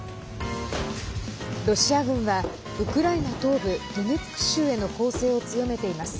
ロシア軍はウクライナ東部ドネツク州への攻勢を強めています。